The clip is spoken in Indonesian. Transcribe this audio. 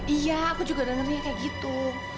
iya aku juga dengernya kayak gitu